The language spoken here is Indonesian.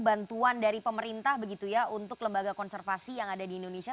bantuan dari pemerintah begitu ya untuk lembaga konservasi yang ada di indonesia